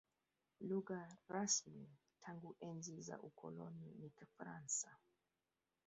Lugha rasmi tangu enzi za ukoloni ni Kifaransa.